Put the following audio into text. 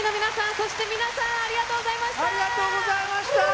そして皆さんありがとうございました。